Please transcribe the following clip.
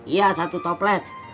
iya satu toples